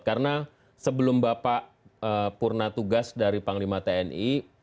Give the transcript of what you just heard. karena sebelum bapak purna tugas dari panglima tni